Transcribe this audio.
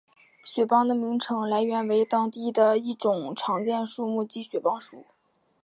雪邦的名称来源为当地一种常见的树木即雪邦树。